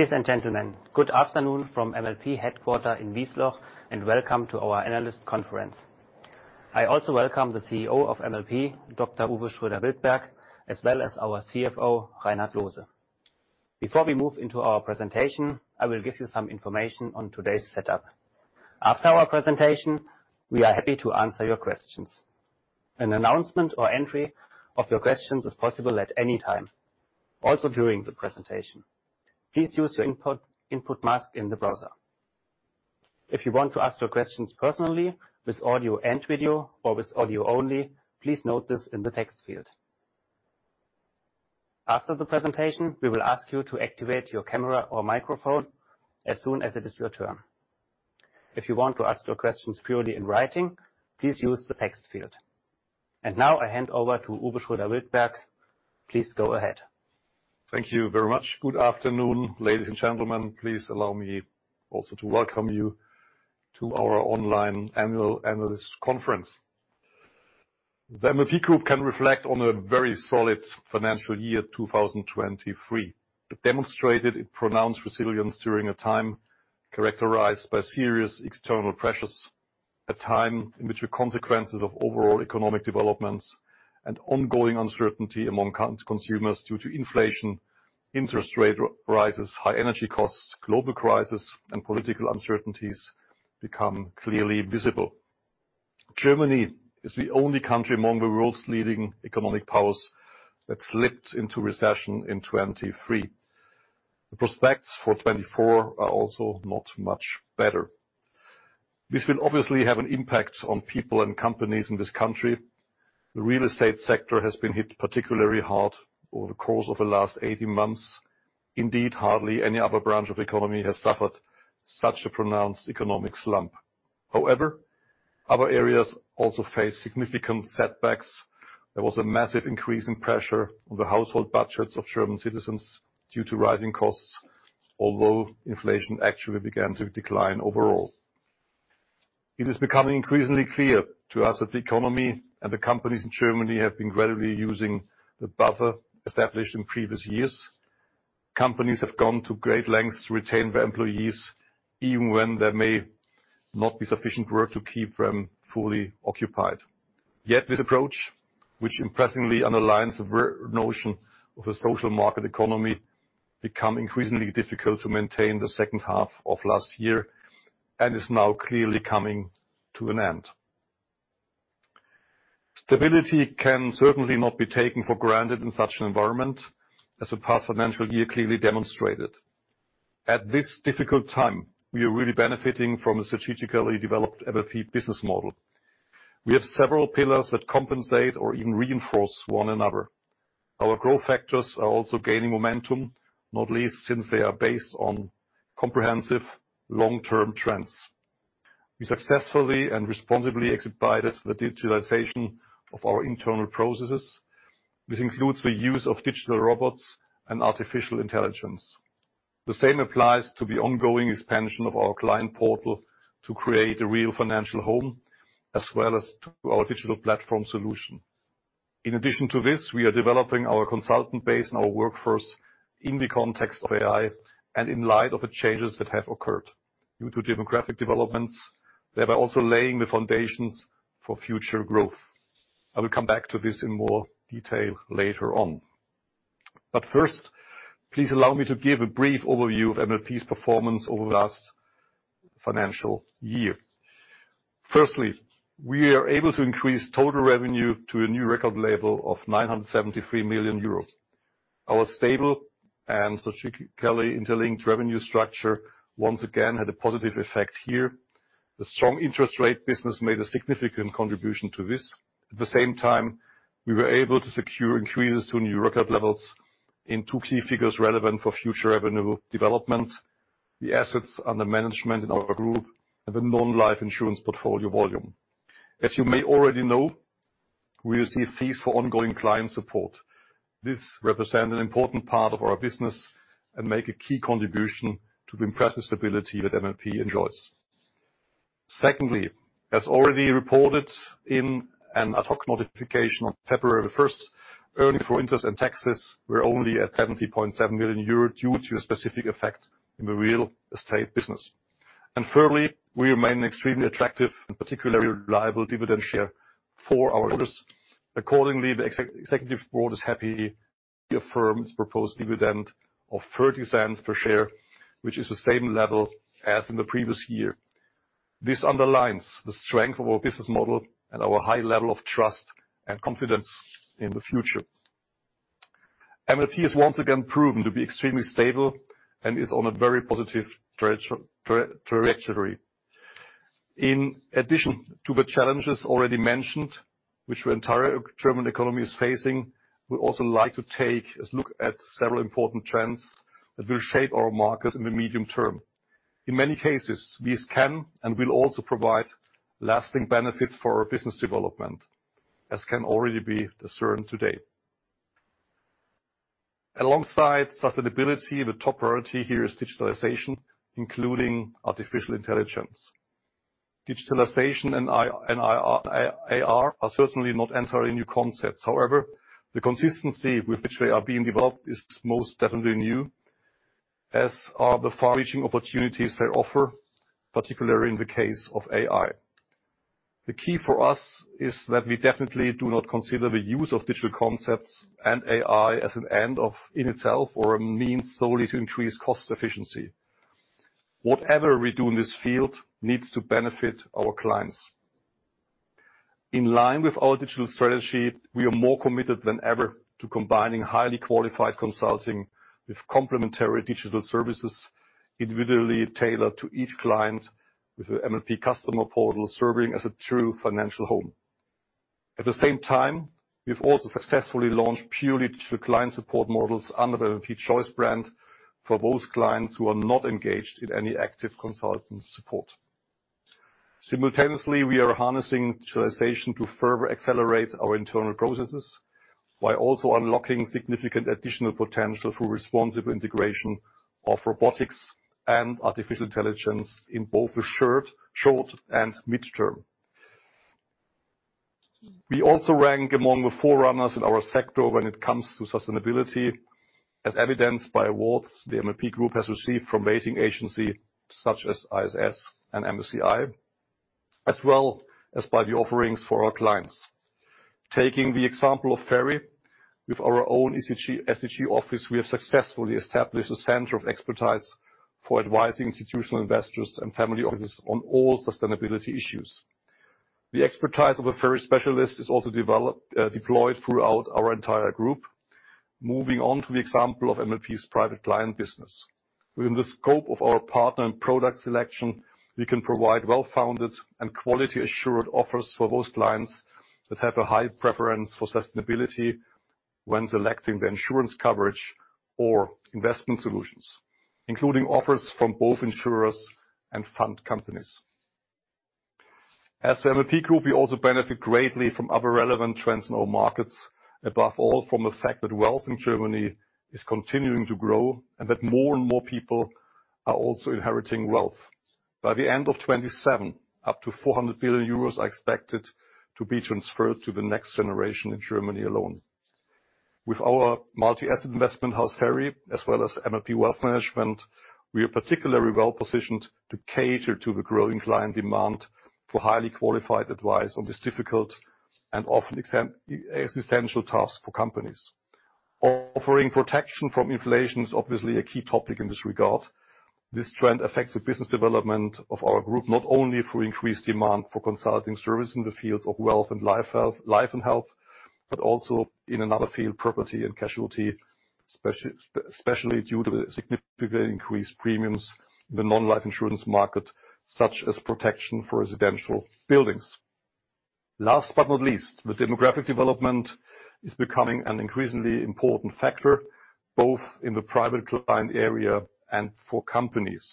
Ladies and gentlemen, good afternoon from MLP headquarters in Wiesloch, and welcome to our Analyst Conference. I also welcome the CEO of MLP, Dr. Uwe Schroeder-Wildberg, as well as our CFO, Reinhard Loose. Before we move into our presentation, I will give you some information on today's setup. After our presentation, we are happy to answer your questions. An announcement or entry of your questions is possible at any time, also during the presentation. Please use your input mask in the browser. If you want to ask your questions personally, with audio and video or with audio only, please note this in the text field. After the presentation, we will ask you to activate your camera or microphone as soon as it is your turn. If you want to ask your questions purely in writing, please use the text field. Now, I hand over to Uwe Schroeder-Wildberg.Please go ahead. Thank you very much. Good afternoon, ladies and gentlemen. Please allow me also to welcome you to our online Annual Analyst Conference. The MLP Group can reflect on a very solid financial year, 2023. It demonstrated a pronounced resilience during a time characterized by serious external pressures, a time in which the consequences of overall economic developments and ongoing uncertainty among current consumers due to inflation, interest rate rises, high energy costs, global crisis, and political uncertainties become clearly visible. Germany is the only country among the world's leading economic powers that slipped into recession in 2023. The prospects for 2024 are also not much better. This will obviously have an impact on people and companies in this country. The real estate sector has been hit particularly hard over the course of the last 18 months. Indeed, hardly any other branch of economy has suffered such a pronounced economic slump. However, other areas also face significant setbacks. There was a massive increase in pressure on the household budgets of German citizens due to rising costs, although inflation actually began to decline overall. It is becoming increasingly clear to us that the economy and the companies in Germany have been gradually using the buffer established in previous years. Companies have gone to great lengths to retain their employees, even when there may not be sufficient work to keep them fully occupied. Yet, this approach, which impressively underlines the very notion of a social market economy, become increasingly difficult to maintain the second half of last year, and is now clearly coming to an end. Stability can certainly not be taken for granted in such an environment, as the past financial year clearly demonstrated. At this difficult time, we are really benefiting from a strategically developed MLP business model. We have several pillars that compensate or even reinforce one another. Our growth factors are also gaining momentum, not least, since they are based on comprehensive long-term trends. We successfully and responsibly executed the digitalization of our internal processes. This includes the use of digital robots and artificial intelligence. The same applies to the ongoing expansion of our client portal to create a real financial home, as well as to our digital platform solution. In addition to this, we are developing our consultant base and our workforce in the context of AI, and in light of the changes that have occurred due to demographic developments, thereby also laying the foundations for future growth. I will come back to this in more detail later on. But first, please allow me to give a brief overview of MLP's performance over the last financial year. Firstly, we are able to increase total revenue to a new record level of 973 million euros. Our stable and strategically interlinked revenue structure, once again, had a positive effect here. The strong interest rate business made a significant contribution to this. At the same time, we were able to secure increases to new record levels in two key figures relevant for future revenue development, the assets under management in our group, and the non-life insurance portfolio volume. As you may already know, we receive fees for ongoing client support. This represents an important part of our business and makes a key contribution to the impressive stability that MLP enjoys. Secondly, as already reported in an ad hoc notification on February 1st, earnings before interest and taxes were only at 70.7 million euro due to a specific effect in the real estate business. And thirdly, we remain an extremely attractive and particularly reliable dividend share for our owners. Accordingly, the executive board is happy to affirm its proposed dividend of 0.30 per share, which is the same level as in the previous year. This underlines the strength of our business model and our high level of trust and confidence in the future. MLP has once again proven to be extremely stable and is on a very positive trajectory. In addition to the challenges already mentioned, which the entire German economy is facing, we'd also like to take a look at several important trends that will shape our markets in the medium term. In many cases, these can and will also provide lasting benefits for our business development, as can already be discerned today. Alongside sustainability, the top priority here is digitalization, including artificial intelligence. Digitalization and AI are certainly not entirely new concepts. However, the consistency with which they are being developed is most definitely new, as are the far-reaching opportunities they offer, particularly in the case of AI. The key for us is that we definitely do not consider the use of digital concepts and AI as an end in itself, or a means solely to increase cost efficiency. Whatever we do in this field needs to benefit our clients. In line with our digital strategy, we are more committed than ever to combining highly qualified consulting with complementary digital services, individually tailored to each client, with an MLP Client Portal serving as a true financial home. At the same time, we've also successfully launched purely digital client support models under the MLP Choice brand for those clients who are not engaged in any active consultant support. Simultaneously, we are harnessing digitalization to further accelerate our internal processes, while also unlocking significant additional potential for responsible integration of robotics and artificial intelligence in both the short and midterm. We also rank among the forerunners in our sector when it comes to sustainability, as evidenced by awards the MLP Group has received from rating agency, such as ISS and MSCI, as well as by the offerings for our clients. Taking the example of FERI, with our own SDG, SDG office, we have successfully established a center of expertise for advising institutional investors and family offices on all sustainability issues. The expertise of a FERI specialist is also developed, deployed throughout our entire group. Moving on to the example of MLP's private client business. Within the scope of our partner and product selection, we can provide well-founded and quality assured offers for those clients that have a high preference for sustainability when selecting the insurance coverage or investment solutions, including offers from both insurers and fund companies. As the MLP Group, we also benefit greatly from other relevant trends in our markets, above all, from the fact that wealth in Germany is continuing to grow, and that more and more people are also inheriting wealth. By the end of 2027, up to 400 billion euros are expected to be transferred to the next generation in Germany alone. With our multi-asset investment house, FERI, as well as MLP Wealth Management, we are particularly well-positioned to cater to the growing client demand for highly qualified advice on this difficult and often existential task for companies. Offering protection from inflation is obviously a key topic in this regard. This trend affects the business development of our group, not only through increased demand for consulting services in the fields of wealth and life health, life and health, but also in another field, property and casualty, especially due to the significantly increased premiums in the non-life insurance market, such as protection for residential buildings. Last but not least, the demographic development is becoming an increasingly important factor, both in the private client area and for companies.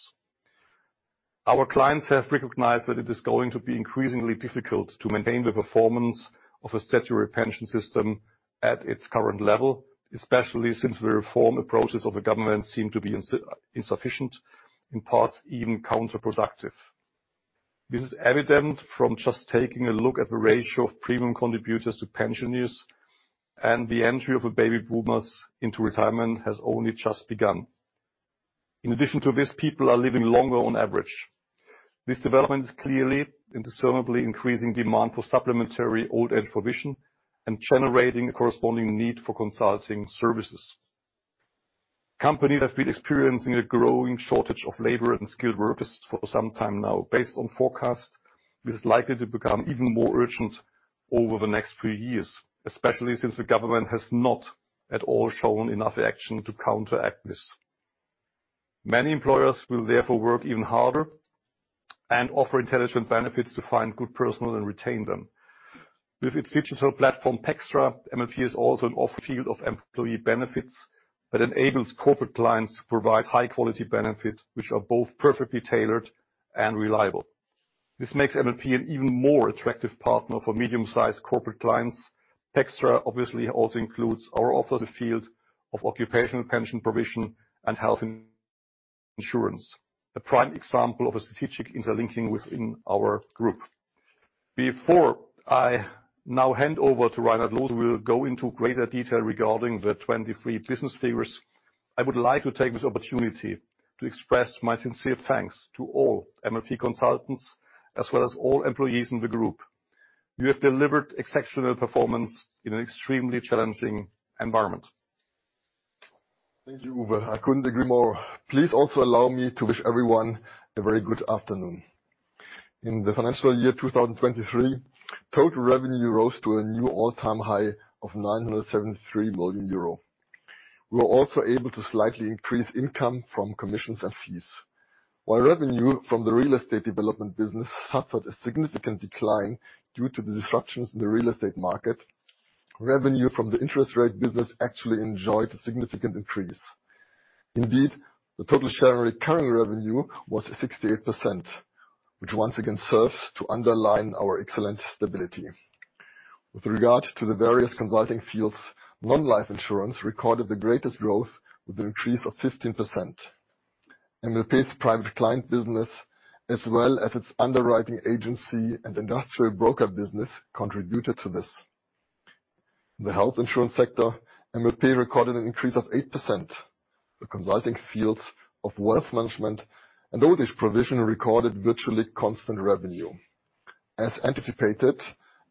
Our clients have recognized that it is going to be increasingly difficult to maintain the performance of a statutory pension system at its current level, especially since the reform approaches of the government seem to be insufficient, in parts, even counterproductive. This is evident from just taking a look at the ratio of premium contributors to pensioners, and the entry of the baby boomers into retirement has only just begun. In addition to this, people are living longer on average. This development is clearly and discernibly increasing demand for supplementary old-age provision and generating a corresponding need for consulting services. Companies have been experiencing a growing shortage of labor and skilled workers for some time now. Based on forecast, this is likely to become even more urgent over the next few years, especially since the government has not at all shown enough action to counteract this. Many employers will therefore work even harder and offer intelligent benefits to find good personnel and retain them. With its digital platform, :pxtra, MLP is also an [offer] of employee benefits that enables corporate clients to provide high-quality benefits, which are both perfectly tailored and reliable. This makes MLP an even more attractive partner for medium-sized corporate clients. :pxtra obviously also includes our offer in the field of occupational pension provision and health insurance, a prime example of a strategic interlinking within our group. Before I now hand over to Reinhard Loose, who will go into greater detail regarding the 23 business figures, I would like to take this opportunity to express my sincere thanks to all MLP consultants, as well as all employees in the group. You have delivered exceptional performance in an extremely challenging environment. Thank you, Uwe. I couldn't agree more. Please also allow me to wish everyone a very good afternoon. In the financial year 2023, total revenue rose to a new all-time high of 973 million euro. We were also able to slightly increase income from commissions and fees. While revenue from the real estate development business suffered a significant decline due to the disruptions in the real estate market, revenue from the interest rate business actually enjoyed a significant increase. Indeed, the total share recurring revenue was 68%, which once again serves to underline our excellent stability. With regard to the various consulting fields, non-life insurance recorded the greatest growth, with an increase of 15%. MLP's private client business, as well as its underwriting agency and industrial broker business, contributed to this. In the health insurance sector, MLP recorded an increase of 8%. The consulting fields of wealth management and old age provision recorded virtually constant revenue. As anticipated,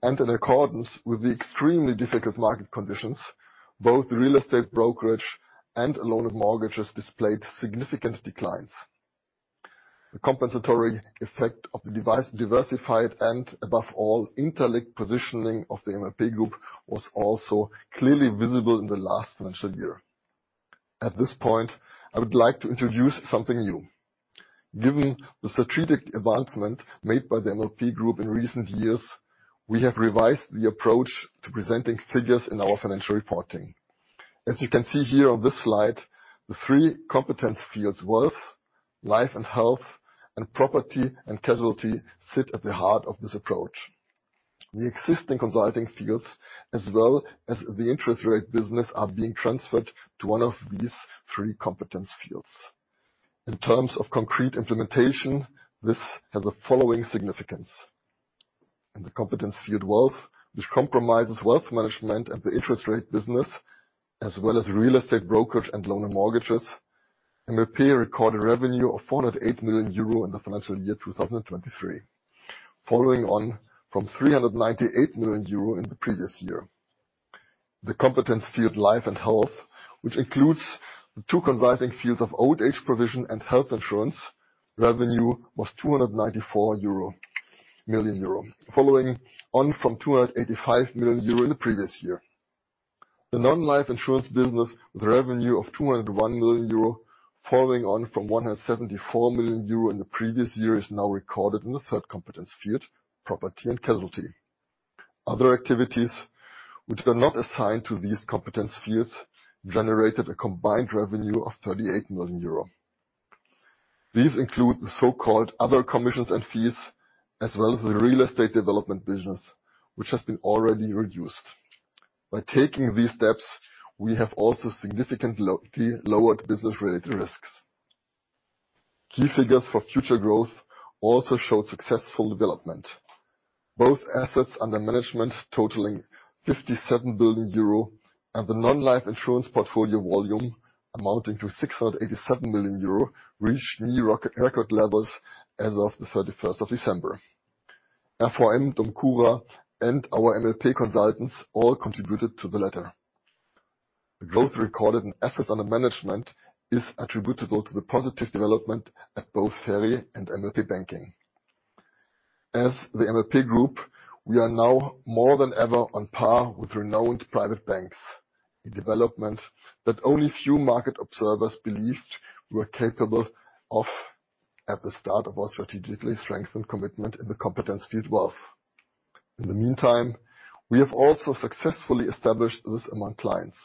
and in accordance with the extremely difficult market conditions, both the real estate brokerage and loans and mortgages displayed significant declines. The compensatory effect of the diversified and, above all, interlinked positioning of the MLP Group was also clearly visible in the last financial year. At this point, I would like to introduce something new. Given the strategic advancement made by the MLP Group in recent years, we have revised the approach to presenting figures in our financial reporting. As you can see here on this slide, the three competence fields, wealth, life and health, and property and casualty, sit at the heart of this approach. The existing consulting fields, as well as the interest rate business, are being transferred to one of these three competence fields. In terms of concrete implementation, this has the following significance: In the competence field wealth, which comprises wealth management and the interest rate business, as well as real estate brokerage and loans and mortgages, MLP recorded revenue of 408 million euro in the financial year 2023, following on from 398 million euro in the previous year. The competence field life and health, which includes the two consulting fields of old age provision and health insurance, revenue was 294 million euro, following on from 285 million euro in the previous year. The non-life insurance business, with a revenue of 201 million euro, following on from 174 million euro in the previous year, is now recorded in the third competence field, property and casualty. Other activities, which were not assigned to these competence fields, generated a combined revenue of 38 million euro. These include the so-called other commissions and fees, as well as the real estate development business, which has been already reduced. By taking these steps, we have also significantly lowered business-related risks. Key figures for future growth also showed successful development. Both assets under management, totaling 57 billion euro, and the non-life insurance portfolio volume, amounting to 687 million euro, reached new record levels as of the 31st of December. FERI, DOMCURA, and our MLP consultants all contributed to the latter. The growth recorded in assets under management is attributable to the positive development at both FERI and MLP Banking. As the MLP Group, we are now more than ever on par with renowned private banks, a development that only few market observers believed we were capable of at the start of our strategically strengthened commitment in the competence field wealth. In the meantime, we have also successfully established this among clients.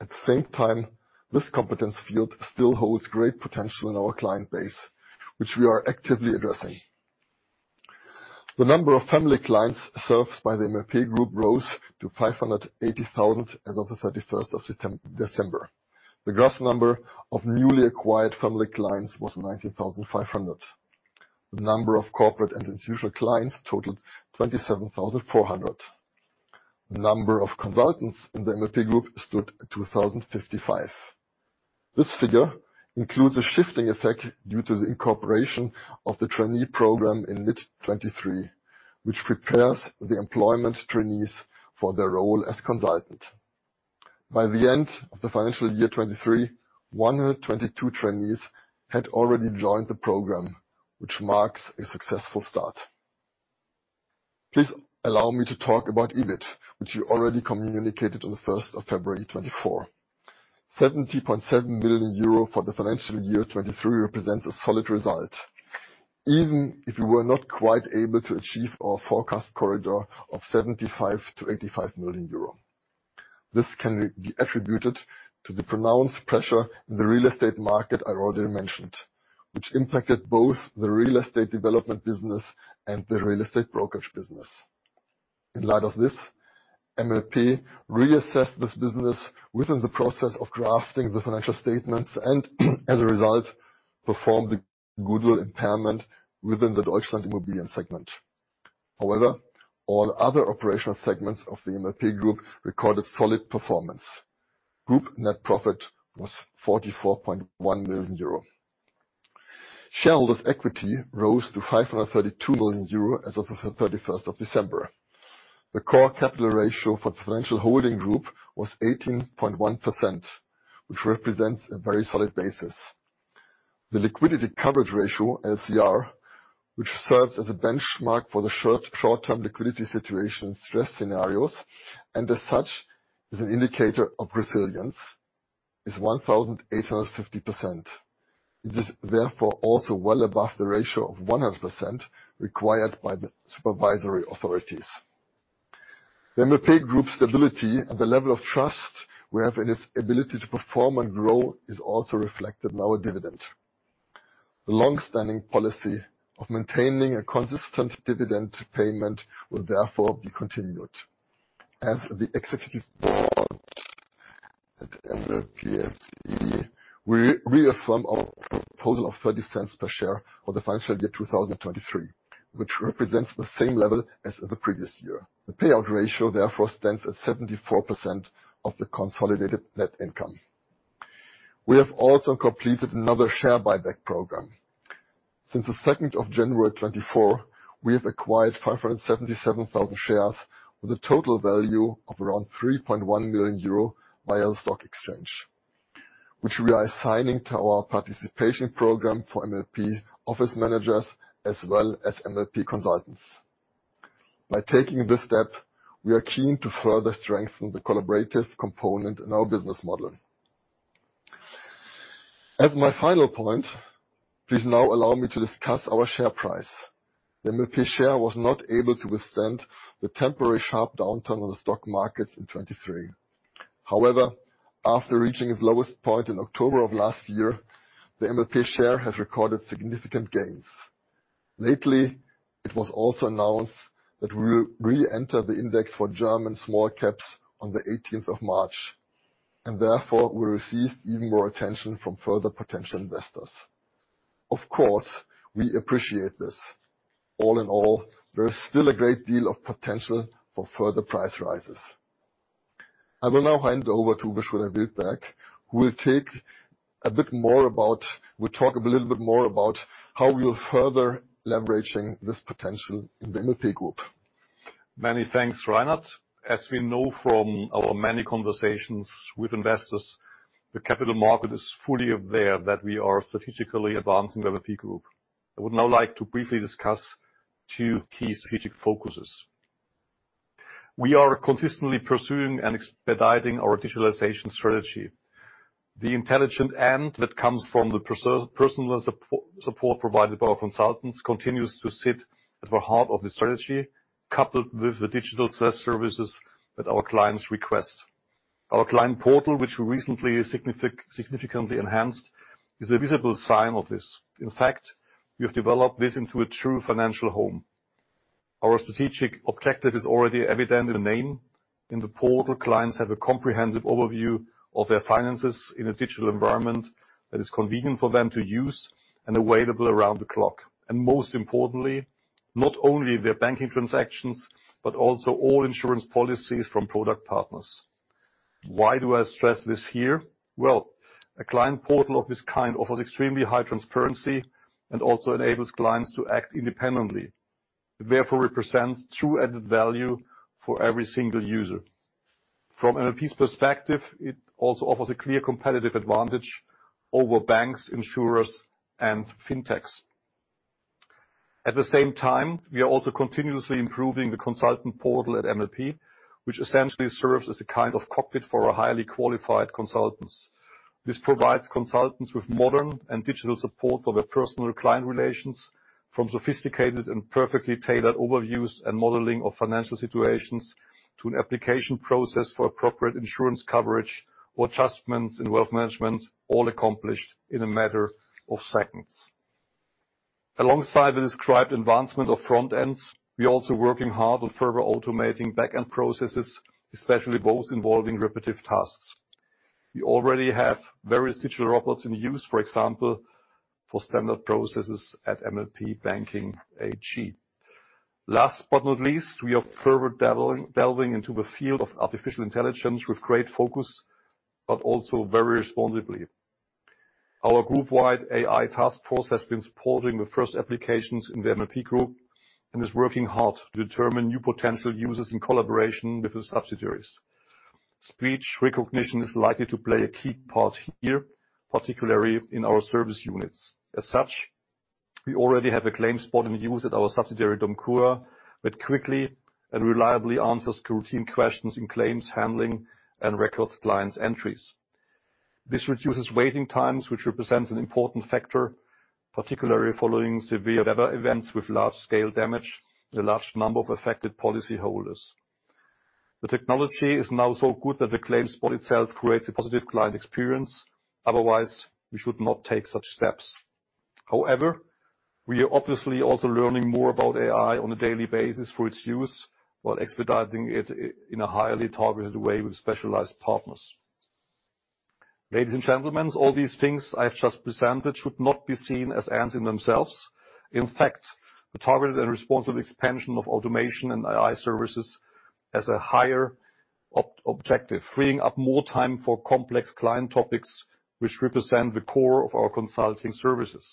At the same time, this competence field still holds great potential in our client base, which we are actively addressing. The number of family clients served by the MLP Group rose to 580,000 as of the 31st of December. The gross number of newly acquired family clients was 19,500. The number of corporate and institutional clients totaled 27,400. The number of consultants in the MLP Group stood at 2,055. This figure includes a shifting effect due to the incorporation of the trainee program in mid-2023, which prepares the employment trainees for their role as consultant. By the end of the financial year 2023, 122 trainees had already joined the program, which marks a successful start. Please allow me to talk about EBIT, which we already communicated on the 1st of February 2024. 70.7 million euro for the financial year 2023 represents a solid result, even if we were not quite able to achieve our forecast corridor of 75 million-85 million euro. This can be attributed to the pronounced pressure in the real estate market I already mentioned, which impacted both the real estate development business and the real estate brokerage business. In light of this, MLP reassessed this business within the process of drafting the financial statements and, as a result, performed the goodwill impairment within the DEUTSCHLAND.Immobilien segment. However, all other operational segments of the MLP Group recorded solid performance. Group net profit was 44.1 million euro. Shareholder's equity rose to 532 million euro as of the 31st of December. The core capital ratio for the financial holding group was 18.1%, which represents a very solid basis. The liquidity coverage ratio, LCR, which serves as a benchmark for the short-term liquidity situation stress scenarios, and as such, is an indicator of resilience, is 1,850%. It is therefore also well above the ratio of 100% required by the supervisory authorities. The MLP Group stability and the level of trust we have in its ability to perform and grow is also reflected in our dividend. The long-standing policy of maintaining a consistent dividend payment will therefore be continued. As the executive board at MLP SE, we reaffirm our proposal of 0.30 per share for the financial year 2023, which represents the same level as the previous year. The payout ratio therefore stands at 74% of the consolidated net income. We have also completed another share buyback program. Since the 2nd of January 2024, we have acquired 577,000 shares, with a total value of around 3.1 million euro via the stock exchange, which we are assigning to our participation program for MLP office managers as well as MLP consultants. By taking this step, we are keen to further strengthen the collaborative component in our business model. As my final point, please now allow me to discuss our share price. The MLP share was not able to withstand the temporary sharp downturn on the stock markets in 2023. However, after reaching its lowest point in October of last year, the MLP share has recorded significant gains. Lately, it was also announced that we will re-enter the index for German small caps on the 18th of March, and therefore we received even more attention from further potential investors. Of course, we appreciate this. All in all, there is still a great deal of potential for further price rises. I will now hand over to Uwe Schroeder-Wildberg, who will talk a little bit more about how we are further leveraging this potential in the MLP group. Many thanks, Reinhard. As we know from our many conversations with investors, the capital market is fully aware that we are strategically advancing the MLP Group. I would now like to briefly discuss two key strategic focuses. We are consistently pursuing and expediting our digitalization strategy. The intelligent end that comes from the personal support provided by our consultants continues to sit at the heart of the strategy, coupled with the digital self-services that our clients request. Our client portal, which we recently significantly enhanced, is a visible sign of this. In fact, we have developed this into a true financial home. Our strategic objective is already evident in the name. In the portal, clients have a comprehensive overview of their finances in a digital environment that is convenient for them to use and available around the clock. And most importantly, not only their banking transactions, but also all insurance policies from product partners. Why do I stress this here? Well, a client portal of this kind offers extremely high transparency and also enables clients to act independently, therefore represents true added value for every single user. From MLP's perspective, it also offers a clear competitive advantage over banks, insurers, and fintechs. At the same time, we are also continuously improving the consultant portal at MLP, which essentially serves as a kind of cockpit for our highly qualified consultants. This provides consultants with modern and digital support for their personal client relations, from sophisticated and perfectly tailored overviews and modeling of financial situations, to an application process for appropriate insurance coverage or adjustments in wealth management, all accomplished in a matter of seconds. Alongside the described advancement of front ends, we're also working hard on further automating back-end processes, especially those involving repetitive tasks. We already have various digital robots in use, for example, for standard processes at MLP Banking AG. Last but not least, we are further delving into the field of artificial intelligence with great focus, but also very responsibly. Our group-wide AI task force has been supporting the first applications in the MLP group, and is working hard to determine new potential uses in collaboration with the subsidiaries. Speech recognition is likely to play a key part here, particularly in our service units. As such, we already have a claims bot in use at our subsidiary, DOMCURA, that quickly and reliably answers routine questions in claims handling and records clients' entries. This reduces waiting times, which represents an important factor, particularly following severe weather events with large-scale damage and a large number of affected policy holders. The technology is now so good that the claims bot itself creates a positive client experience. Otherwise, we should not take such steps. However, we are obviously also learning more about AI on a daily basis for its use, while expediting it in a highly targeted way with specialized partners. Ladies and gentlemen, all these things I have just presented should not be seen as ends in themselves. In fact, the targeted and responsible expansion of automation and AI services as a higher objective, freeing up more time for complex client topics, which represent the core of our consulting services.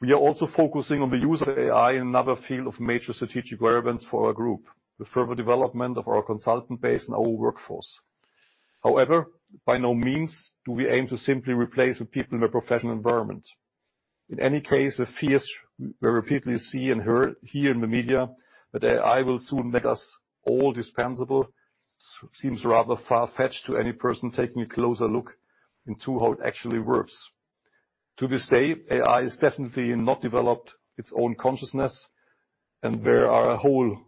We are also focusing on the use of AI in another field of major strategic relevance for our group, the further development of our consultant base and our workforce. However, by no means do we aim to simply replace the people in the professional environment. In any case, the fears we repeatedly see and hear in the media, that AI will soon make us all dispensable, seem rather far-fetched to any person taking a closer look into how it actually works. To this day, AI has definitely not developed its own consciousness, and there are a whole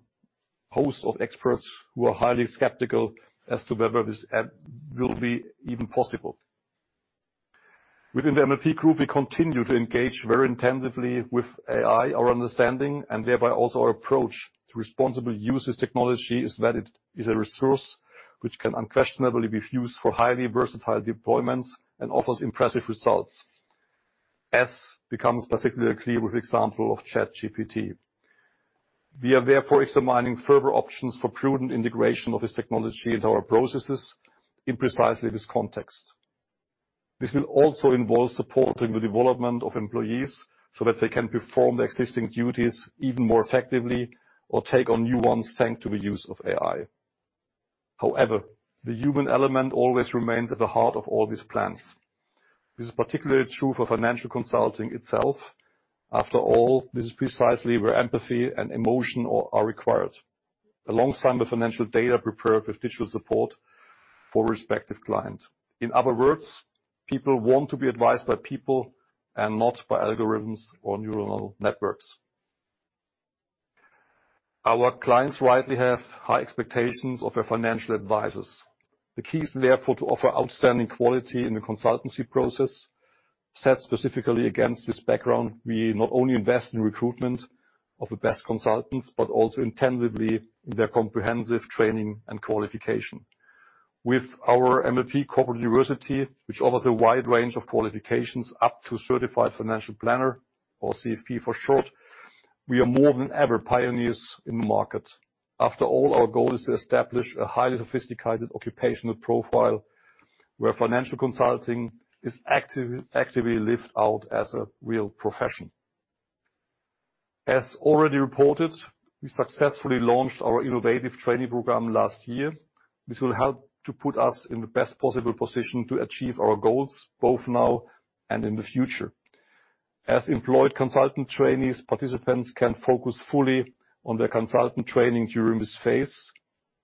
host of experts who are highly skeptical as to whether this will be even possible. Within the MLP Group, we continue to engage very intensively with AI. Our understanding, and thereby also our approach, to responsible use of this technology is that it is a resource which can unquestionably be used for highly versatile deployments and offers impressive results, as becomes particularly clear with the example of ChatGPT. We are therefore examining further options for prudent integration of this technology into our processes in precisely this context. This will also involve supporting the development of employees so that they can perform their existing duties even more effectively or take on new ones, thanks to the use of AI. However, the human element always remains at the heart of all these plans. This is particularly true for financial consulting itself. After all, this is precisely where empathy and emotion are required, alongside the financial data prepared with digital support for respective clients. In other words, people want to be advised by people and not by algorithms or neural networks. Our clients rightly have high expectations of their financial advisors. The key is therefore to offer outstanding quality in the consultancy process. Set specifically against this background, we not only invest in recruitment of the best consultants, but also intensively in their comprehensive training and qualification. With our MLP Corporate University, which offers a wide range of qualifications up to Certified Financial Planner, or CFP for short, we are more than ever pioneers in the market. After all, our goal is to establish a highly sophisticated occupational profile, where financial consulting is actively lived out as a real profession. As already reported, we successfully launched our innovative training program last year. This will help to put us in the best possible position to achieve our goals, both now and in the future. As employed consultant trainees, participants can focus fully on their consultant training during this phase.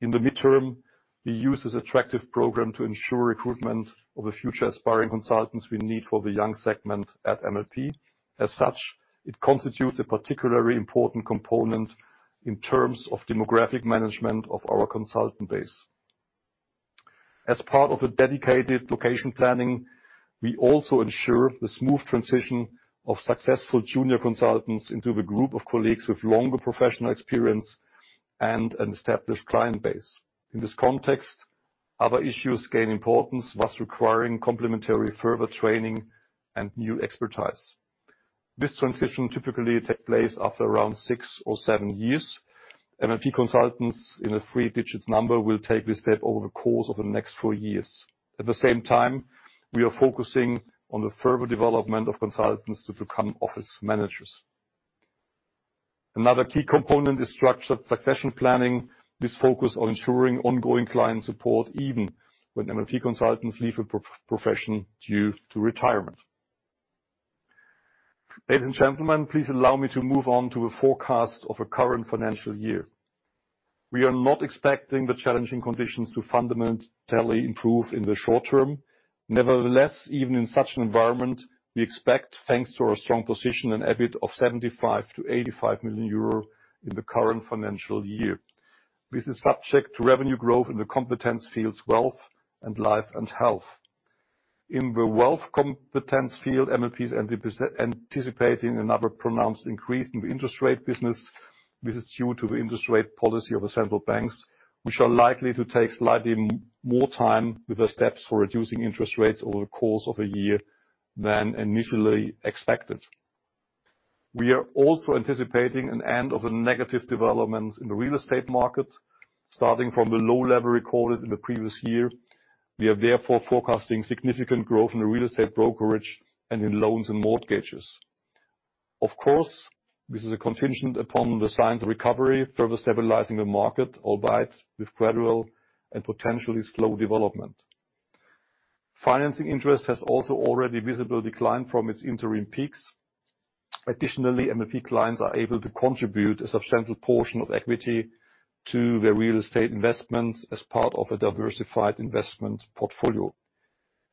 In the midterm, we use this attractive program to ensure recruitment of the future aspiring consultants we need for the young segment at MLP. As such, it constitutes a particularly important component in terms of demographic management of our consultant base. As part of a dedicated location planning, we also ensure the smooth transition of successful junior consultants into the group of colleagues with longer professional experience and an established client base. In this context, other issues gain importance, thus requiring complementary further training and new expertise. This transition typically takes place after around six or seven years. MLP consultants in a three-digit number will take this step over the course of the next four years. At the same time, we are focusing on the further development of consultants to become office managers. Another key component is structured succession planning. This focus on ensuring ongoing client support, even when MLP consultants leave a profession due to retirement. Ladies and gentlemen, please allow me to move on to a forecast of our current financial year. We are not expecting the challenging conditions to fundamentally improve in the short term. Nevertheless, even in such an environment, we expect, thanks to our strong position, an EBIT of 75 million-85 million euro in the current financial year. This is subject to revenue growth in the competence fields, wealth and life and health. In the wealth competence field, MLP is anticipating another pronounced increase in the interest rate business. This is due to the interest rate policy of the central banks, which are likely to take slightly more time with the steps for reducing interest rates over the course of a year than initially expected. We are also anticipating an end of the negative developments in the real estate market, starting from the low level recorded in the previous year. We are therefore forecasting significant growth in the real estate brokerage and in loans and mortgages. Of course, this is contingent upon the signs of recovery, further stabilizing the market, albeit with gradual and potentially slow development. Financing interest has also already visibly declined from its interim peaks. Additionally, MLP clients are able to contribute a substantial portion of equity to their real estate investments as part of a diversified investment portfolio.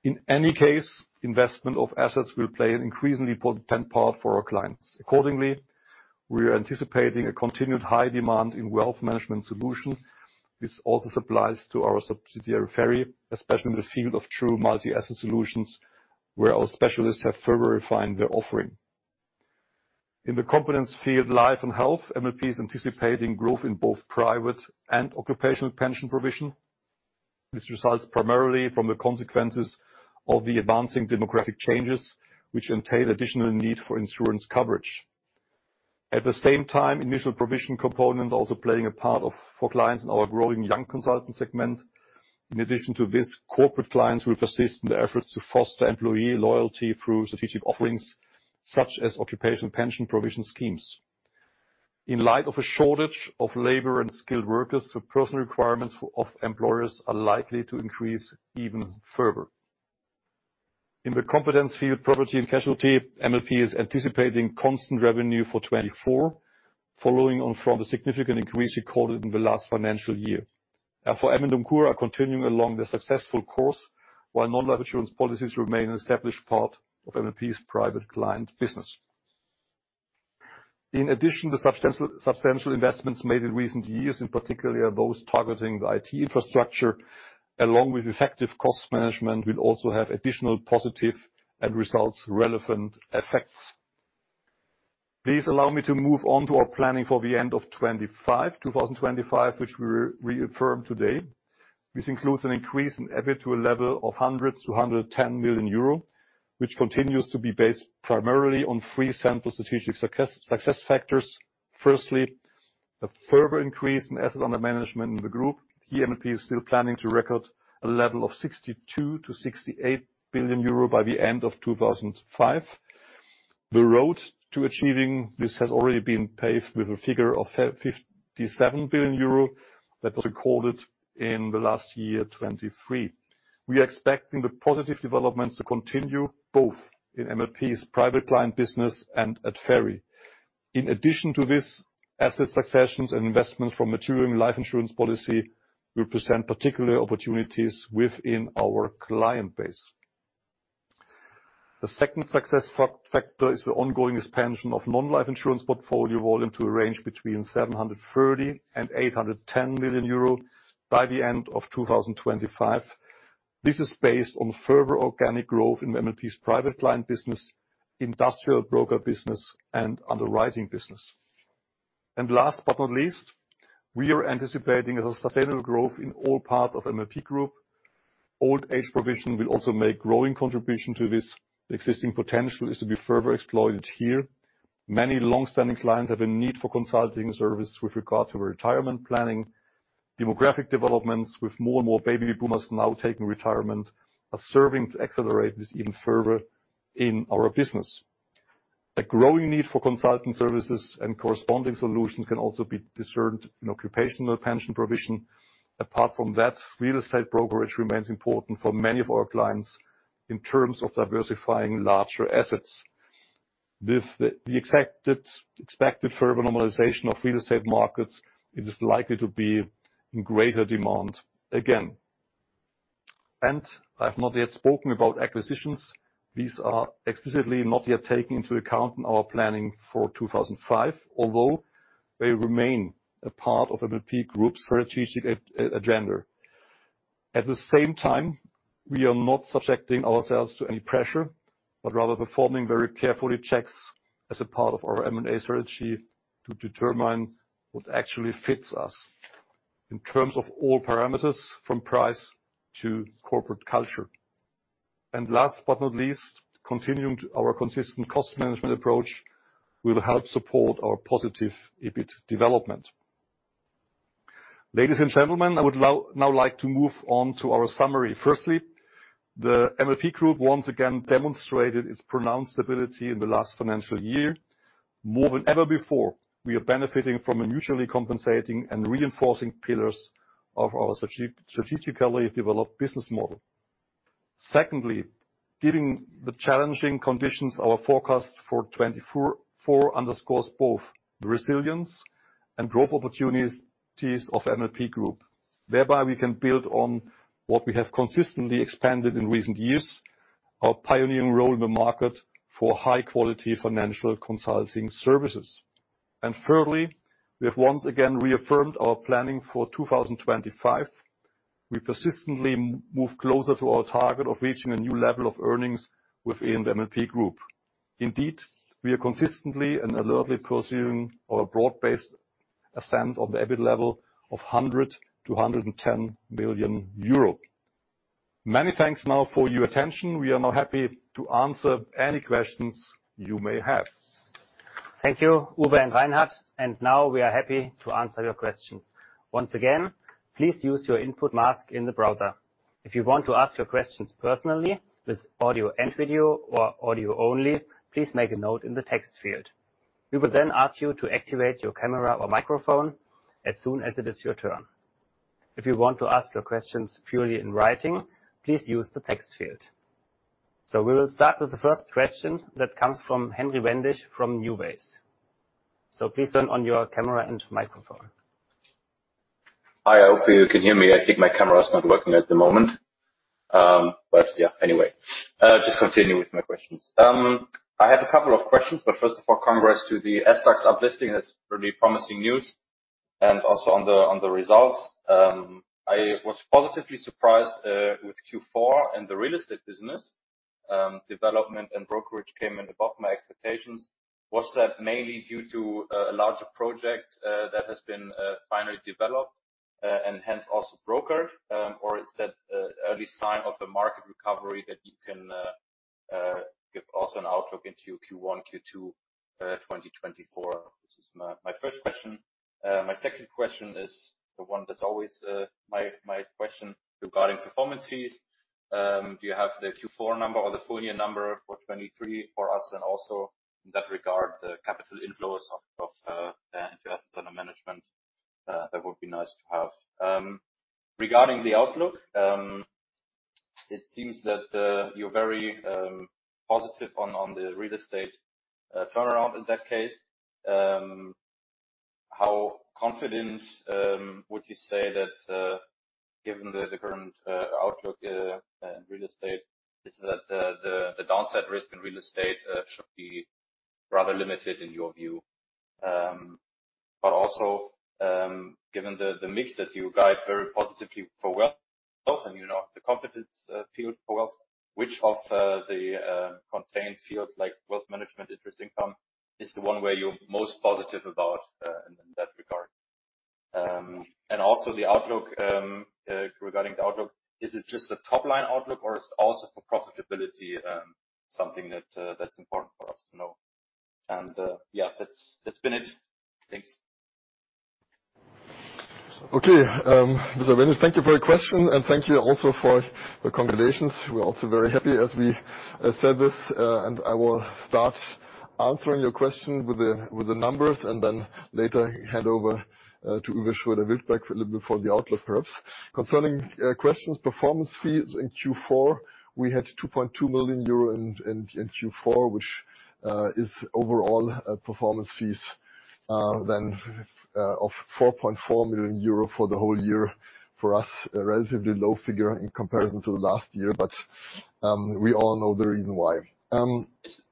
In any case, investment of assets will play an increasingly important part for our clients. Accordingly, we are anticipating a continued high demand in wealth management solution. This also applies to our subsidiary, FERI, especially in the field of true multi-asset solutions, where our specialists have further refined their offering. In the competence field, life and health, MLP is anticipating growth in both private and occupational pension provision. This results primarily from the consequences of the advancing demographic changes, which entail additional need for insurance coverage. At the same time, initial provision component also playing a part of for clients in our growing young consultant segment. In addition to this, corporate clients will persist in their efforts to foster employee loyalty through strategic offerings, such as occupational pension provision schemes. In light of a shortage of labor and skilled workers, the personnel requirements of employers are likely to increase even further. In the competence field, property and casualty, MLP is anticipating constant revenue for 2024, following on from the significant increase recorded in the last financial year. For DOMCURA, we are continuing along the successful course, while non-life insurance policies remain an established part of MLP's private client business. In addition, the substantial, substantial investments made in recent years, in particular, those targeting the IT infrastructure, along with effective cost management, will also have additional positive, results-relevant effects. Please allow me to move on to our planning for the end of 2025, which we reaffirm today. This includes an increase in EBIT to a level of 100 million-110 million euro, which continues to be based primarily on three simple strategic success, success factors. Firstly, a further increase in assets under management in the group. MLP is still planning to record a level of 62 billion-68 billion euro by the end of 2025. The road to achieving this has already been paved with a figure of 57 billion euro that was recorded in the last year, 2023. We are expecting the positive developments to continue both in MLP's private client business and at FERI. In addition to this, asset successions and investments from maturing life insurance policy will present particular opportunities within our client base. The second success factor is the ongoing expansion of non-life insurance portfolio volume to a range between 730 million and 810 million euro by the end of 2025. This is based on further organic growth in MLP's private client business, industrial broker business, and underwriting business. And last but not least, we are anticipating a sustainable growth in all parts of MLP Group. Old age provision will also make growing contribution to this. Existing potential is to be further exploited here. Many long-standing clients have a need for consulting services with regard to retirement planning. Demographic developments, with more and more baby boomers now taking retirement, are serving to accelerate this even further in our business. A growing need for consulting services and corresponding solutions can also be discerned in occupational pension provision. Apart from that, real estate brokerage remains important for many of our clients in terms of diversifying larger assets. With the expected further normalization of real estate markets, it is likely to be in greater demand again. And I have not yet spoken about acquisitions. These are explicitly not yet taken into account in our planning for 2025, although they remain a part of MLP Group's strategic agenda. At the same time, we are not subjecting ourselves to any pressure, but rather performing very carefully checks as a part of our M&A strategy to determine what actually fits us in terms of all parameters, from price to corporate culture. And last but not least, continuing our consistent cost management approach will help support our positive EBIT development. Ladies and gentlemen, I would now like to move on to our summary. Firstly, the MLP Group once again demonstrated its pronounced ability in the last financial year. More than ever before, we are benefiting from the mutually compensating and reinforcing pillars of our strategically developed business model. Secondly, given the challenging conditions, our forecast for 2024 underscores both the resilience and growth opportunities of MLP Group. Thereby, we can build on what we have consistently expanded in recent years, our pioneering role in the market for high-quality financial consulting services. And thirdly, we have once again reaffirmed our planning for 2025. We persistently move closer to our target of reaching a new level of earnings within the MLP Group. Indeed, we are consistently and alertly pursuing our broad-based ascent of the EBIT level of 100 million-110 million euro. Many thanks now for your attention. We are now happy to answer any questions you may have. Thank you, Uwe and Reinhard, and now we are happy to answer your questions. Once again, please use your input mask in the browser. If you want to ask your questions personally, with audio and video or audio only, please make a note in the text field. We will then ask you to activate your camera or microphone as soon as it is your turn. If you want to ask your questions purely in writing, please use the text field. We will start with the first question that comes from Henry Wendisch from NuWays. Please turn on your camera and microphone. Hi, I hope you can hear me. I think my camera is not working at the moment. But, yeah, anyway, just continue with my questions. I have a couple of questions, but first of all, congrats to the SDAX uplisting. That's really promising news, and also on the results. I was positively surprised with Q4 and the real estate business. Development and brokerage came in above my expectations. Was that mainly due to a larger project that has been finally developed and hence also brokered? Or is that early sign of the market recovery that you can give also an outlook into Q1, Q2, 2024? This is my first question. My second question is the one that's always my question regarding performance fees. Do you have the Q4 number or the full year number for 2023 for us, and also in that regard, the capital inflows into assets under management? That would be nice to have. Regarding the outlook, it seems that you're very positive on the real estate turnaround in that case. How confident would you say that, given the current outlook in real estate, is that the downside risk in real estate should be rather limited in your view? But also, given the mix that you guide very positively for wealth, often, you know, the competence field for wealth, which of the contained fields, like wealth management, interest income, is the one where you're most positive about in that regard? And also the outlook, regarding the outlook, is it just the top line outlook, or is it also for profitability? Something that's important for us to know. And, yeah, that's, that's been it. Thanks. Okay, Mr. Wendisch, thank you for your question, and thank you also for the congratulations. We're also very happy, as we said this. And I will start answering your question with the numbers, and then later hand over to Uwe Schroeder-Wildberg for a little bit for the outlook, perhaps. Concerning questions, performance fees in Q4, we had 2.2 million euro in Q4, which is overall performance fees of 4.4 million euro for the whole year. For us, a relatively low figure in comparison to the last year, but we all know the reason why.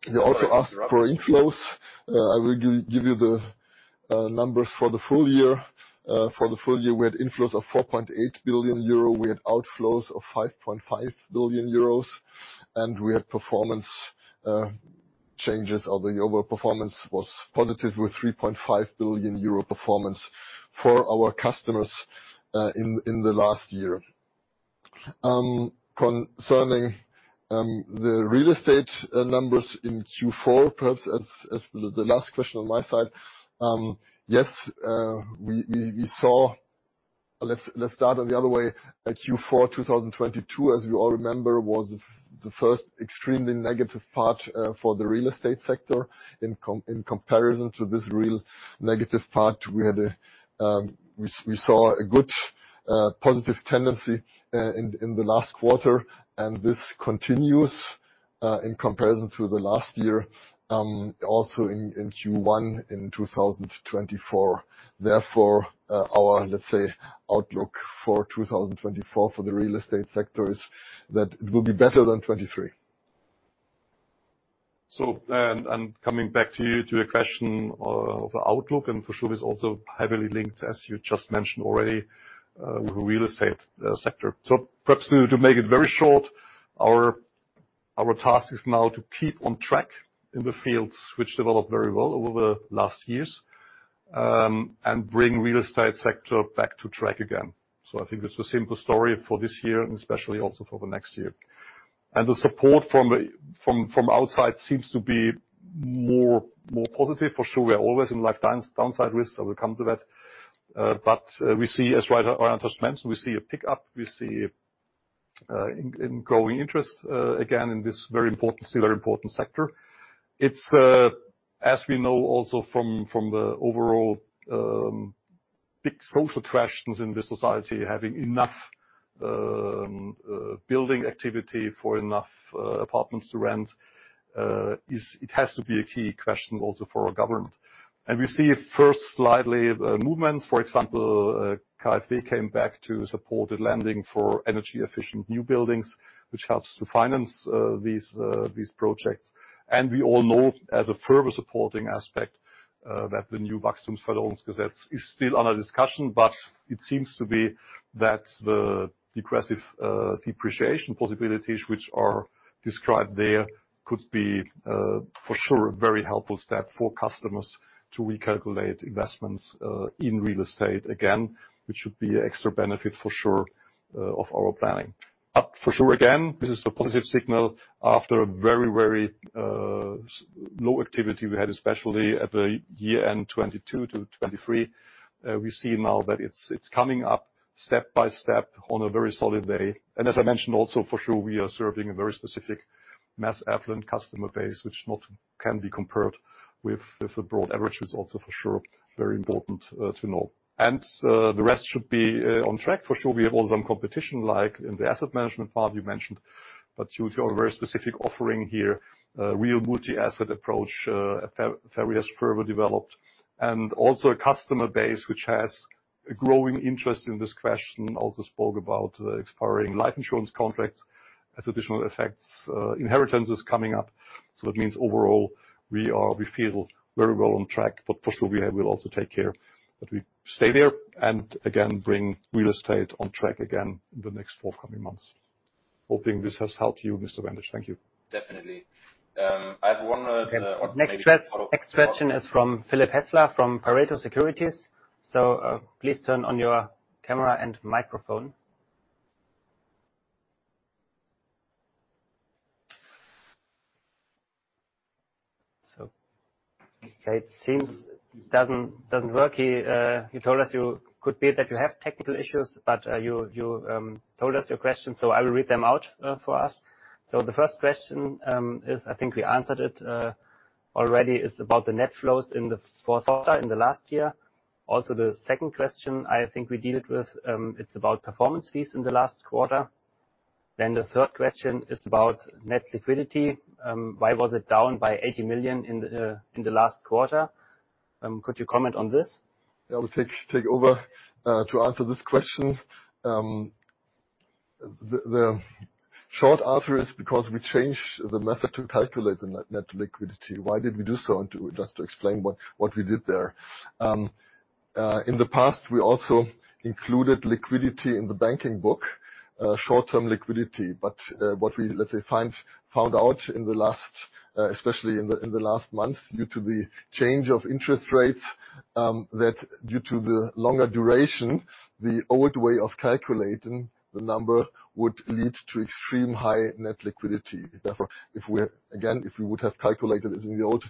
You also asked for inflows. I will give you the numbers for the full year. For the full year, we had inflows of 4.8 billion euro. We had outflows of 5.5 billion euros, and we had performance changes, or the overperformance was positive, with 3.5 billion euro performance for our customers in the last year. Concerning the real estate numbers in Q4, perhaps as the last question on my side. Yes. Let's start on the other way. Q4 2022, as you all remember, was the first extremely negative part for the real estate sector. In comparison to this real negative part, we had a we saw a good positive tendency in the last quarter, and this continues in comparison to the last year, also in Q1 2024. Therefore, our, let's say, outlook for 2024 for the real estate sector is that it will be better than 2023. Coming back to your question of outlook, and for sure, it's also heavily linked, as you just mentioned already, with the real estate sector. So perhaps to make it very short, our task is now to keep on track in the fields which developed very well over the last years, and bring real estate sector back to track again. So I think that's the simple story for this year, and especially also for the next year. And the support from the outside seems to be more positive. For sure, we are always in downside risk, so we'll come to that. But we see, as Reinhard mentioned, a pickup in growing interest again in this very important, still very important sector. It's, as we know, also from, from the overall, big social questions in this society, having enough, building activity for enough, apartments to rent, is. It has to be a key question also for our government. And we see first slightly, movements. For example, KfW came back to supported lending for energy-efficient new buildings, which helps to finance, these, these projects. And we all know, as a further supporting aspect, that the new Wachstumschancengesetz is still under discussion, but it seems to be that the depreciation, depreciation possibilities, which are described there, could be, for sure, a very helpful step for customers to recalculate investments, in real estate again. Which should be an extra benefit, for sure, of our planning. But for sure, again, this is a positive signal after a very, very low activity we had, especially at the year-end 2022-2023. We see now that it's coming up step by step in a very solid way. And as I mentioned, also, for sure, we are serving a very specific mass affluent customer base, which cannot be compared with the broad average. It is also, for sure, very important to know. And the rest should be on track. For sure, we have also some competition, like in the asset management part you mentioned, but you have a very specific offering here, a real multi-asset approach, FERI further developed, and also a customer base, which has a growing interest in this question. Also spoke about the expiring life insurance contracts as additional effects. Inheritance is coming up, so that means overall, we feel very well on track. But for sure, we'll also take care that we stay there and again, bring real estate on track again in the next forthcoming months. Hoping this has helped you, Mr. Wendisch. Thank you. Definitely. I have one, maybe. Next question, next question is from Philipp Hässler, from Pareto Securities. So, please turn on your camera and microphone. So it seems it doesn't work. He told us you could be that you have technical issues, but you told us your question, so I will read them out for us. So the first question is, I think we answered it already, is about the net flows in the fourth quarter in the last year. Also, the second question, I think we dealt with, it's about performance fees in the last quarter. Then the third question is about net liquidity. Why was it down by 80 million in the last quarter? Could you comment on this? Yeah, I will take over to answer this question. The short answer is because we changed the method to calculate the net liquidity. Why did we do so? And to just explain what we did there. In the past, we also included liquidity in the banking book, short-term liquidity. But what we, let's say, found out in the last, especially in the last months, due to the change of interest rates, that due to the longer duration, the old way of calculating the number would lead to extreme high net liquidity. Therefore, if we would have calculated it in the old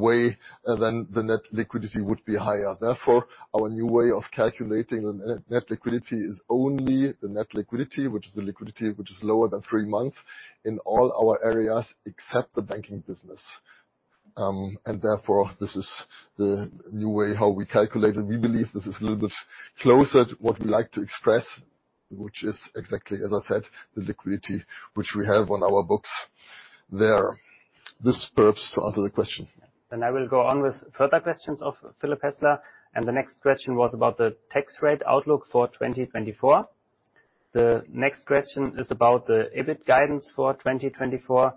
way, then the net liquidity would be higher. Therefore, our new way of calculating the net, net liquidity is only the net liquidity, which is the liquidity which is lower than three months, in all our areas except the banking business. And therefore, this is the new way how we calculate, and we believe this is a little bit closer to what we like to express, which is exactly, as I said, the liquidity which we have on our books there. This purports to answer the question. I will go on with further questions of Philipp Hässler. The next question was about the tax rate outlook for 2024. The next question is about the EBIT guidance for 2024.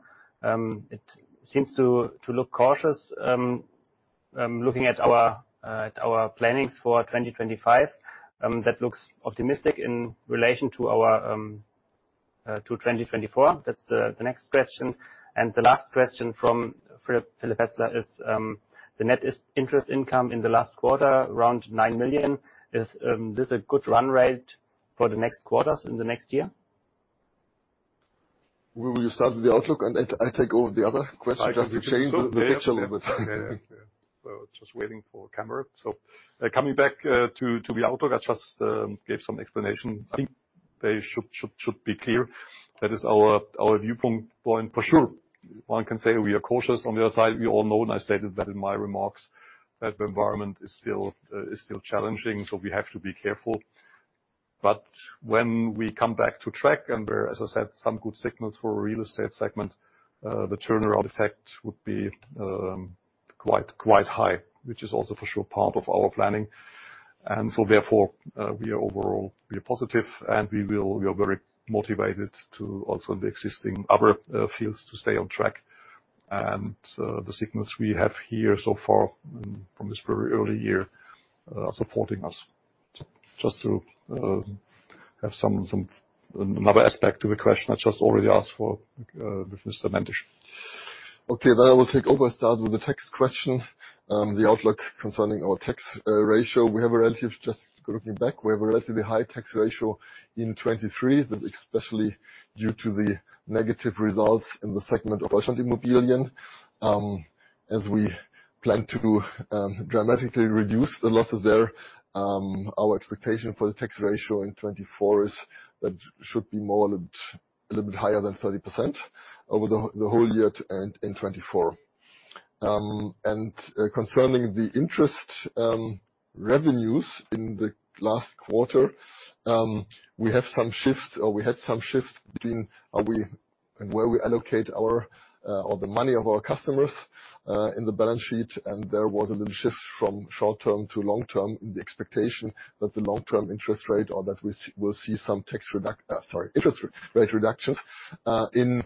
It seems to look cautious. Looking at our plannings for 2025, that looks optimistic in relation to our to 2024. That's the next question. The last question from Philipp Hässler is the net interest income in the last quarter, around 9 million. Is this a good run rate for the next quarters in the next year? Will you start with the outlook, and I take over the other question, just to change the picture a little bit? Yeah, yeah. So just waiting for camera. So coming back to the outlook, I just gave some explanation. I think they should be clear. That is our viewpoint for sure. One can say we are cautious on the other side. We all know, and I stated that in my remarks, that the environment is still challenging, so we have to be careful. But when we come back to track, and there are, as I said, some good signals for real estate segment, the turnaround effect would be quite high, which is also for sure, part of our planning. And so therefore, we are overall, we are positive, and we will, we are very motivated to also in the existing other fields, to stay on track. The signals we have here so far from this very early year are supporting us. Just to have some another aspect to the question I just already asked for with Mr. Wendisch. Okay, then I will take over. I start with the tax question. The outlook concerning our tax ratio. We have a relative, just looking back, we have a relatively high tax ratio in 2023, that especially due to the negative results in the segment of DEUTSCHLAND.Immobilien. As we plan to dramatically reduce the losses there, our expectation for the tax ratio in 2024 is that should be a little bit higher than 30% over the whole year to end in 2024. And concerning the interest revenues in the last quarter, we have some shifts, or we had some shifts between are we, and where we allocate our or the money of our customers in the balance sheet. There was a little shift from short-term to long-term in the expectation that the long-term interest rate, or that we'll see some interest rate reductions in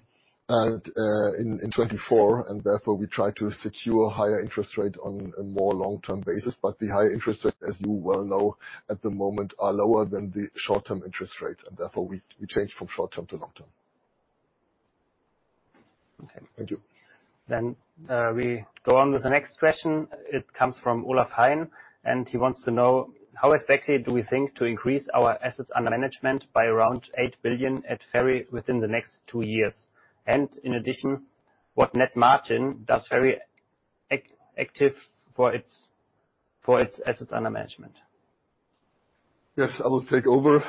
2024. And therefore, we try to secure higher interest rate on a more long-term basis. But the high interest rates, as you well know, at the moment, are lower than the short-term interest rates, and therefore, we change from short-term to long-term. Okay. Thank you. Then, we go on with the next question. It comes from Olaf Hein, and he wants to know, how exactly do we think to increase our assets under management by around 8 billion at FERI within the next two years? And in addition, what net margin does FERI achieve for its, for its assets under management? Yes, I will take over.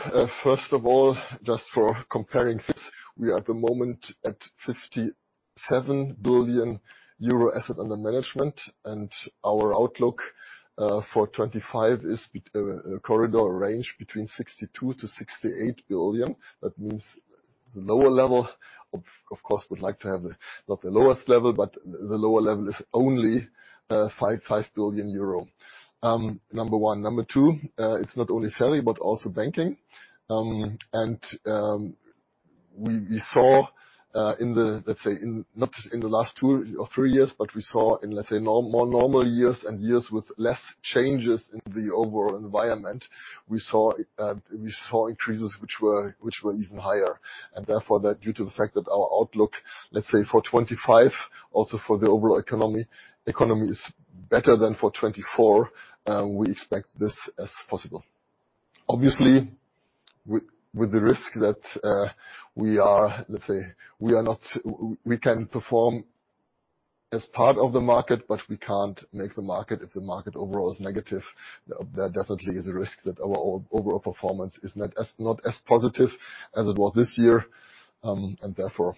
First of all, just for comparing this, we are at the moment at 57 billion euro asset under management, and our outlook for 2025 is a corridor range between 62 billion-68 billion. That means the lower level, of course, would like to have not the lowest level, but the lower level is only 5 billion euro. Number one. Number two, it's not only FERI, but also banking. And we saw in the, let's say, in not in the last two or three years, but we saw in, let's say, more normal years and years with less changes in the overall environment, we saw increases which were even higher. And therefore, that due to the fact that our outlook, let's say, for 2025, also for the overall economy, economy is better than for 2024, we expect this as possible. Obviously, with the risk that we are, let's say, we can perform as part of the market, but we can't make the market. If the market overall is negative, there definitely is a risk that our overall performance is not as positive as it was this year. And therefore,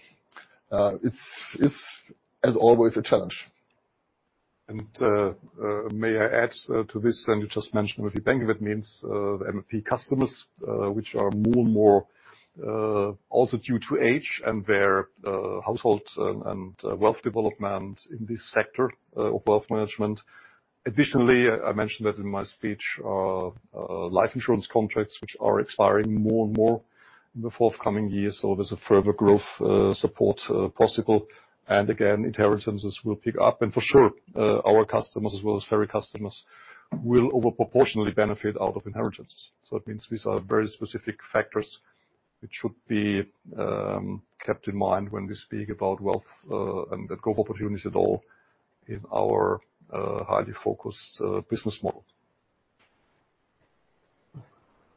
it's as always, a challenge. And may I add to this, and you just mentioned with the bank, that means MLP customers, which are more and more also due to age and their household and wealth development in this sector of wealth management. Additionally, I mentioned that in my speech, life insurance contracts, which are expiring more and more in the forthcoming years, so there's a further growth support possible. And again, inheritances will pick up. And for sure, our customers, as well as FERI customers, will over proportionally benefit out of inheritance. So it means these are very specific factors which should be kept in mind when we speak about wealth and the growth opportunities at all in our highly focused business model.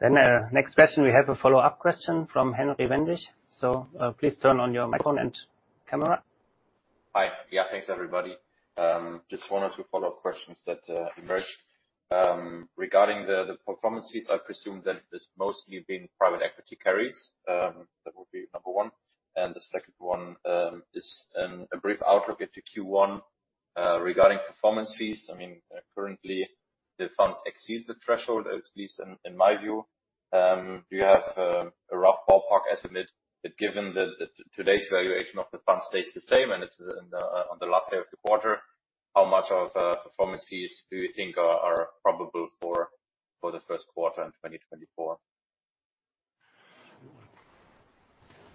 Then, next question. We have a follow-up question from Henry Wendisch. So, please turn on your microphone and camera. Hi. Yeah, thanks, everybody. Just wanted to follow up questions that emerged. Regarding the performance fees, I presume that it's mostly been private equity carries. That would be number one. And the second one is a brief outlook into Q1 regarding performance fees. I mean, currently, the funds exceed the threshold, at least in my view. Do you have a rough ballpark estimate that given the today's valuation of the fund stays the same, and it's on the last day of the quarter, how much of performance fees do you think are probable for the first quarter in 2024?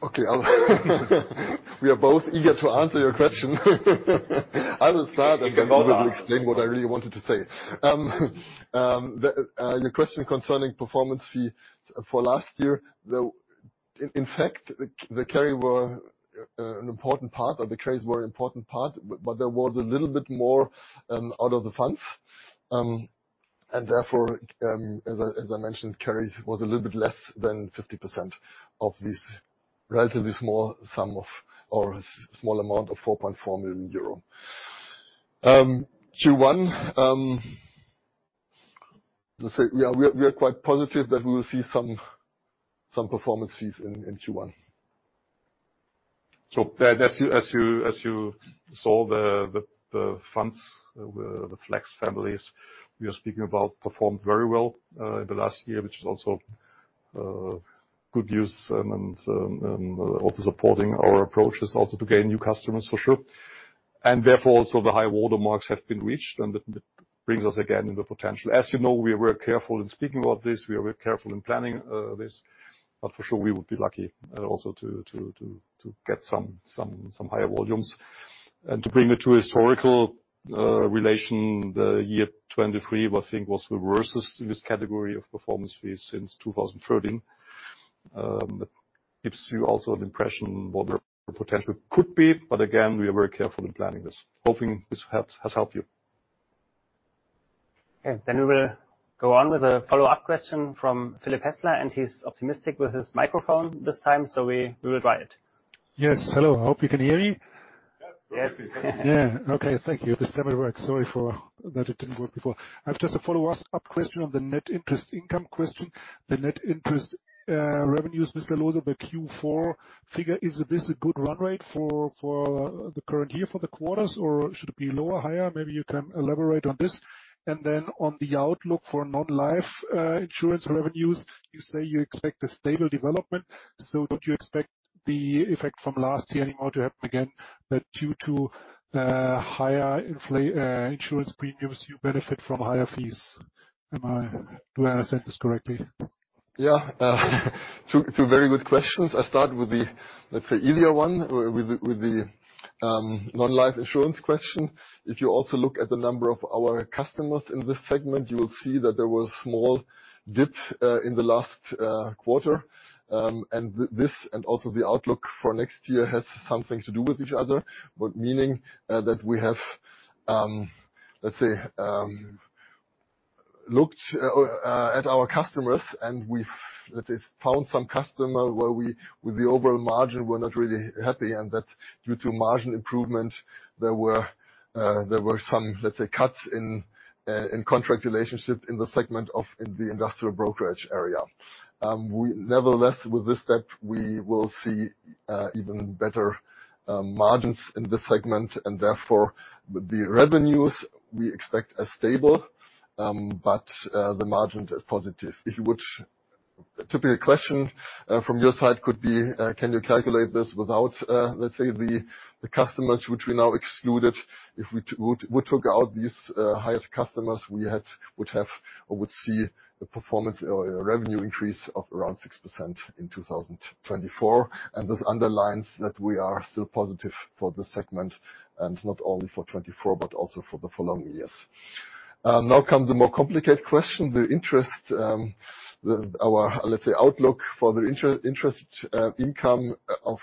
Okay. We are both eager to answer your question. I will start, and then you will explain what I really wanted to say. Your question concerning performance fee for last year. In fact, the carry were an important part, or the carries were an important part, but there was a little bit more out of the funds. And therefore, as I mentioned, carries was a little bit less than 50% of this relatively small sum of, or small amount of 4.4 million euro. Q1, let's say, we are quite positive that we will see some performance fees in Q1. So then, as you saw, the funds, the flex families we are speaking about, performed very well in the last year, which is also good news and also supporting our approach, is also to gain new customers, for sure. And therefore, also, the high water marks have been reached, and that brings us again in the potential. As you know, we are very careful in speaking about this, we are very careful in planning this, but for sure, we would be lucky also to get some higher volumes. And to bring it to a historical relation, the year 2023, I think, was the worst in this category of performance fees since 2013. That gives you also an impression what the potential could be. But again, we are very careful in planning this. Hoping this helps, has helped you. Okay, then we will go on with a follow-up question from Philipp Hässler, and he's optimistic with his microphone this time, so we will try it. Yes. Hello, I hope you can hear me? Yes. Yeah. Okay, thank you. This time it works. Sorry for that it didn't work before. I have just a follow-up question on the net interest income question. The net interest revenues, Mr. Loose, the Q4 figure, is this a good run rate for the current year, for the quarters, or should it be lower, higher? Maybe you can elaborate on this. And then on the outlook for non-life insurance revenues, you say you expect a stable development, so don't you expect the effect from last year anymore to happen again, that due to higher inflation insurance premiums, you benefit from higher fees? Do I understand this correctly? Yeah. Twovery good questions. I'll start with the, let's say, easier one, with the non-life insurance question. If you also look at the number of our customers in this segment, you will see that there was a small dip in the last quarter. And this, and also the outlook for next year, has something to do with each other. But meaning that we have, let's say, looked at our customers, and we've, let's say, found some customer where we, with the overall margin, we're not really happy, and that due to margin improvement, there were some, let's say, cuts in contract relationship in the segment of the industrial brokerage area. We nevertheless, with this step, we will see even better margins in this segment, and therefore, the revenues we expect are stable, but the margins are positive. If you would, typical question from your side could be, can you calculate this without, let's say, the customers which we now excluded? If we took out these highest customers, we would have or would see a performance or a revenue increase of around 6% in 2024. And this underlines that we are still positive for this segment, and not only for 2024, but also for the following years. Now comes the more complicated question, the interest, the our, let's say, outlook for the interest income of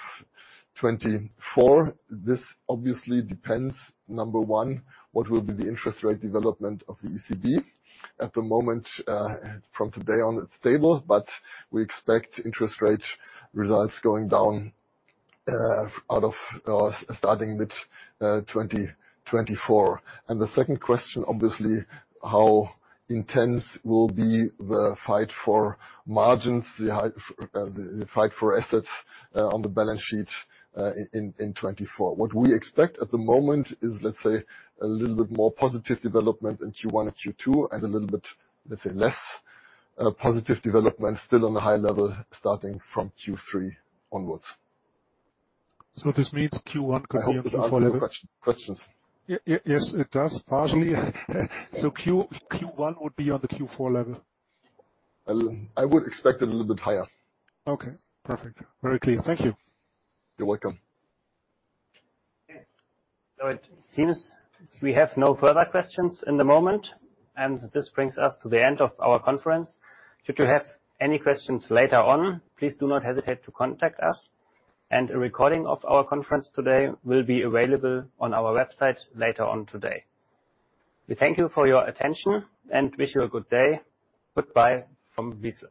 2024. This obviously depends, number one, what will be the interest rate development of the ECB? At the moment, from today on, it's stable, but we expect interest rate results going down, out of, starting mid-2024. And the second question, obviously, how intense will be the fight for margins, the high, the fight for assets, on the balance sheet, in 2024. What we expect at the moment is, let's say, a little bit more positive development in Q1 and Q2, and a little bit, let's say, less positive development, still on a high level, starting from Q3 onwards. So this means Q1 could be? I hope I answered your questions? Yes, it does, partially. So Q1 would be on the Q4 level? I would expect it a little bit higher. Okay, perfect. Very clear. Thank you. You're welcome. It seems we have no further questions in the moment, and this brings us to the end of our conference. Should you have any questions later on, please do not hesitate to contact us, and a recording of our conference today will be available on our website later on today. We thank you for your attention and wish you a good day. Goodbye from Wiesloch.